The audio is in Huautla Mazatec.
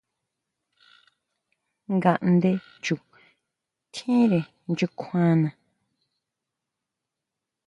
Ngaʼndé chu tjínre nyukjuana.